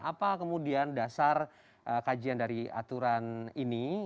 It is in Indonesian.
apa kemudian dasar kajian dari aturan ini